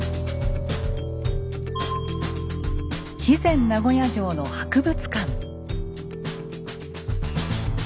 肥前名護屋城の博物館。